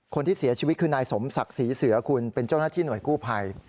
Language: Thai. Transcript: คนที่เสียชีวิตคือนายสมศักดิ์ศรีเสือคุณเป็นเจ้าหน้าที่หน่วยกู้ภัย